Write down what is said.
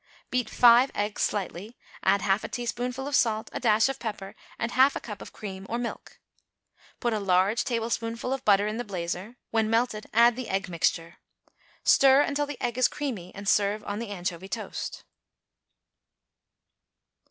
Beat five eggs slightly, add half a teaspoonful of salt, a dash of pepper and half a cup of cream or milk. Put a large tablespoonful of butter in the blazer; when melted, add the egg mixture. Stir until the egg is creamy, and serve on the anchovy toast.